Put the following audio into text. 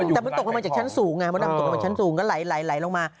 แต่มันตกมาจากชั้นสูงไงมันตกมาจากชั้นสูงก็ไหลลงมา